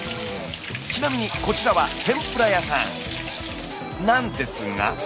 ちなみにこちらは天ぷら屋さんなんですが。